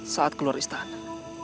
saat keluar istana